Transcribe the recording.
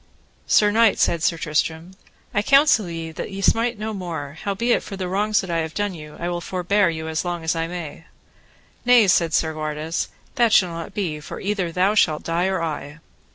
Sir knight, said Sir Tristram, I counsel you that ye smite no more, howbeit for the wrongs that I have done you I will forbear you as long as I may. Nay, said Segwarides, that shall not be, for either thou shalt die or I.